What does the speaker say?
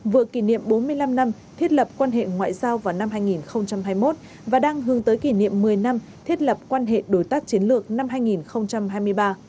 vừa kỷ niệm bốn mươi năm năm thiết lập quan hệ ngoại giao vào năm hai nghìn hai mươi một và đang hướng tới kỷ niệm một mươi năm thiết lập quan hệ đối tác chiến lược năm hai nghìn hai mươi ba